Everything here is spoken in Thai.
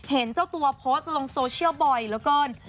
เห็นเจ้าตัวโพสต์ลงโซเชียลบ่อยเหลือเกิน